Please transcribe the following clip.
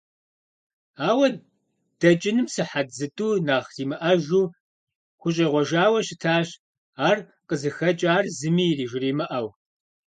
Ауэ дэкӀыным сыхьэт зытӀу нэхъ имыӀэжу хущӀегъуэжауэ щытащ, ар къызыхэкӀар зыми жримыӀэу.